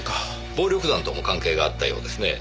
暴力団とも関係があったようですねぇ。